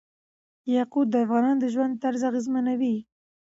یاقوت د افغانانو د ژوند طرز اغېزمنوي.